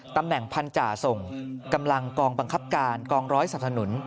ตำแหน่งพันธาส่งกำลังกองบังคับการกองร้อยสนับสนุน